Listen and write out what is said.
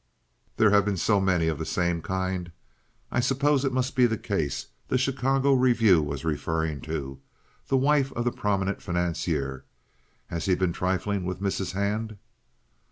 "There have been so many or the same kind. I suppose it must be the case the Chicago Review was referring to—the wife of the prominent financier. Has he been trifling with Mrs. Hand?"